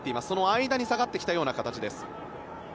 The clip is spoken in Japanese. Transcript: その間に下がってきたような形です。